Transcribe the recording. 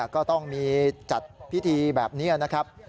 ก็ต้องมีจัดพิธีแบบนี้นะครับ